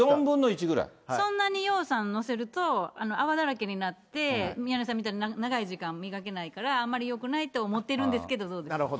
そんなにようさん載せると、泡だらけになって、宮根さんみたいに長い時間磨けないからあんまりよくないと思ってなるほど。